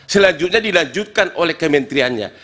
selanjutnya dilanjutkan oleh kementeriannya